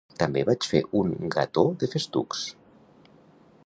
També vaig fer un gató de festucs